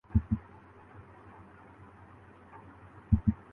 سڑکوں اور پلوں سے سوچ نہیں بنتی۔